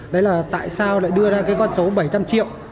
đấy là tại sao lại đưa ra cái con số bảy trăm linh triệu